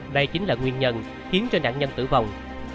đây chính là nguyên nhân khiến cho nạn nhân tử vong